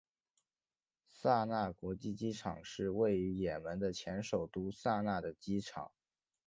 萨那国际机场是位于也门的前首都萨那的机场。